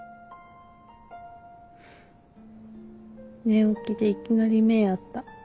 寝起きでいきなり目合った。